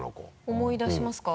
思い出しますか？